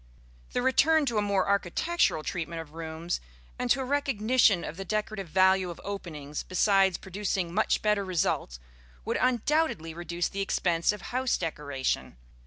The return to a more architectural treatment of rooms and to a recognition of the decorative value of openings, besides producing much better results, would undoubtedly reduce the expense of house decoration.